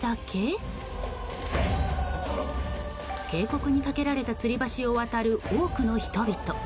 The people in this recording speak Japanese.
渓谷に架けられたつり橋を渡る多くの人々。